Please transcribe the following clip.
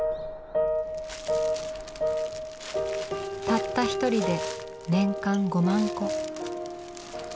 たった一人で年間５万個。